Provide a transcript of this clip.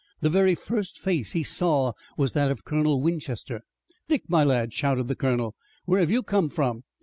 The very first face he saw was that of Colonel Winchester. "Dick, my lad," shouted the Colonel, "where have you come from?"